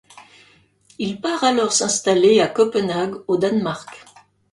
Il part alors s'installer à Copenhague, au Danemark.